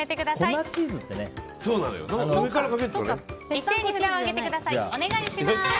一斉に札を上げてください。